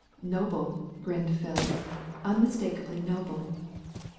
"Noble," grinned Phil, "unmistakably noble!